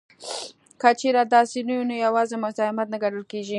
که چېرې داسې نه وي نو یوازې مزاحمت نه ګڼل کیږي